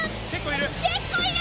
結構いる？